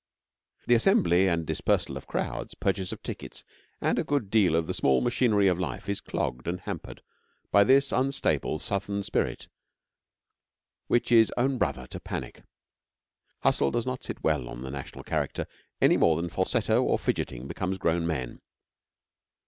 The assembly and dispersal of crowds, purchase of tickets, and a good deal of the small machinery of life is clogged and hampered by this unstable, southern spirit which is own brother to Panic. 'Hustle' does not sit well on the national character any more than falsetto or fidgeting becomes grown men.